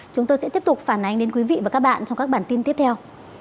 chúng tôi sẽ tiếp tục phản ánh đến quý vị và các bạn trong các bản tin tiếp theo